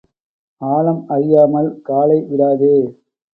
ஆழம் அறியாமல் காலை விடாதே.